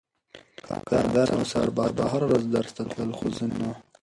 قادر او سردار به هره ورځ درس ته تلل خو زه نه.